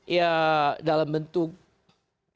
ya dalam bentuk kemudahan